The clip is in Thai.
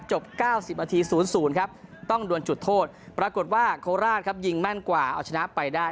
จบ๙๐นาที๐๐ครับต้องดวนจุดโทษปรากฏว่าโคราชครับยิงแม่นกว่าเอาชนะไปได้